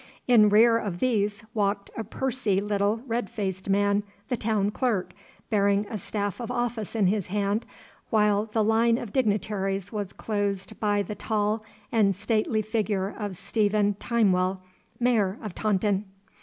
In rear of these walked a pursy little red faced man, the town clerk, bearing a staff of office in his hand, while the line of dignitaries was closed by the tall and stately figure of Stephen Timewell, Mayor of Taunton.